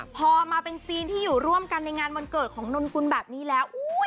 พอมาเป็นซีนที่อยู่ร่วมกันในงานวันเกิดของนนกุลแบบนี้แล้ว